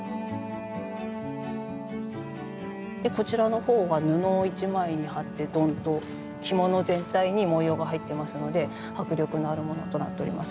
でこちらの方は布を１枚に貼ってドンと着物全体に文様が入ってますので迫力のあるものとなっております。